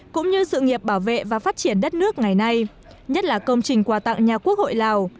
cũng như sự nghiệp bảo vệ và phát triển đất nước ngày nay nhất là công trình quà tặng nhà quốc hội lào